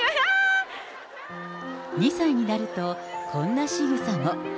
２歳になると、こんなしぐさも。